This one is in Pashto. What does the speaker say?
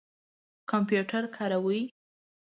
کمپیوټر کاروئ؟